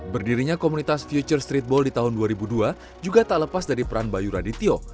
berdirinya komunitas future streetball di tahun dua ribu dua juga tak lepas dari peran bayu radityo